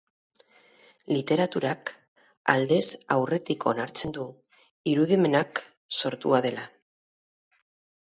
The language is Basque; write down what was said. Literaturak aldez aurretik onartzen du irudimenak sortua dela.